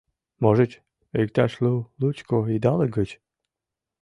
Можыч, иктаж лу-лучко идалык гыч.